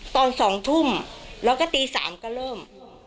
ตอน๒ทุ่มแล้วก็ตี๓ก็เริ่ม